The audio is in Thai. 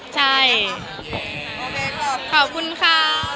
ใช่ขอบคุณค่ะ